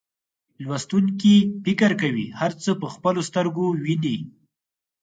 لوستونکي فکر کوي هر څه په خپلو سترګو ویني.